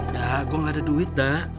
dah gue gak ada duit dah